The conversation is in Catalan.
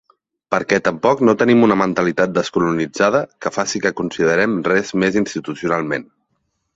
Perquè tampoc no tenim una mentalitat descolonitzada que faci que considerem res més institucionalment.